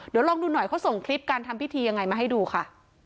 เดี๋ยวลองดูหน่อยเขาส่งคลิปการทำพิธียังไงมาให้ดูค่ะ